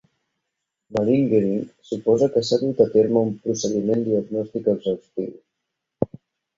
Malingering suposa que s'ha dut a terme un procediment diagnòstic exhaustiu.